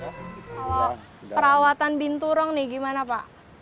kalau perawatan binturong nih gimana pak